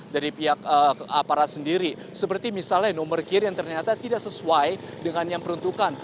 dari pihak aparat sendiri seperti misalnya nomor kiri yang ternyata tidak sesuai dengan yang peruntukan